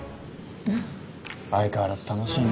相変わらず楽しいね。